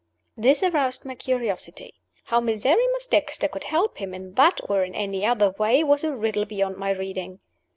This aroused my curiosity. How Miserrimus Dexter could help him, in that or in any other way, was a riddle beyond my reading.